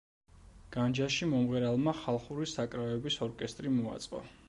განჯაში მომღერალმა ხალხური საკრავების ორკესტრი მოაწყო.